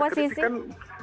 kritik kan memang